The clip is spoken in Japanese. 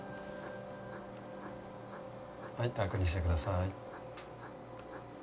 はい楽にしてください。